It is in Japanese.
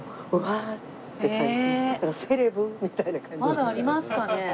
まだありますかね？